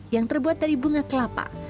yang terbuat dari bunga kelapa